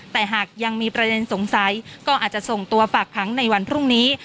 แต่หากยังมีประเด็นสงสัยก็อาจจะส่งตัวฝากขังในวันพรุ่งนี้